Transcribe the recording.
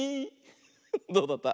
どうだった？